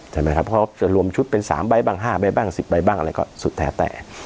เพราะเขาจะรวมชุดเป็น๓ใบบ้าง๕ใบบ้าง๑๐ใบบ้างอะไรก็สุดแท้แต่